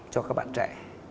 cho các bạn trẻ